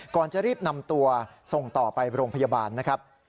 ก่อนจะรีบนำตัวส่งต่อไปโรงพยาบาลนะครับ